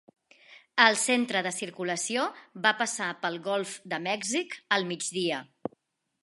El centre de circulació va passar pel Golf de Mèxic al migdia.